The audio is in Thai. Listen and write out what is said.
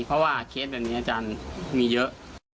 เพราะว่าเคสแบบนี้อาจารย์มีเยอะ